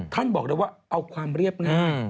ท่านบอกเลยว่าเอาความเรียบง่าย